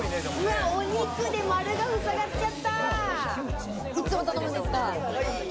お肉で丸がふさがっちゃった。